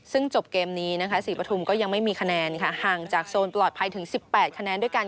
ซึ่งจบเกมนี้นะคะศรีปฐุมก็ยังไม่มีคะแนนค่ะห่างจากโซนปลอดภัยถึง๑๘คะแนนด้วยกัน